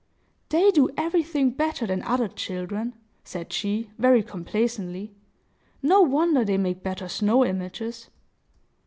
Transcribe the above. "They do everything better than other children," said she, very complacently. "No wonder they make better snow images!"